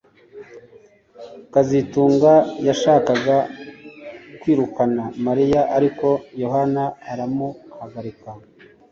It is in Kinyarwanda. kazitunga yashakaga kwirukana Mariya ariko Yohana aramuhagarika